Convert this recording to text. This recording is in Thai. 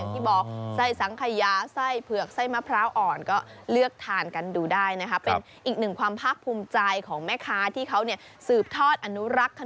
มีไส้เป็นไส้สังขยา